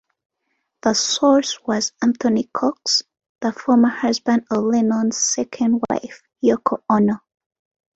The source was Anthony Cox, the former husband of Lennon's second wife, Yoko Ono.